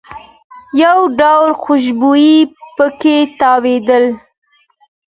یو ډول خوشبويي په کې تاوېدله.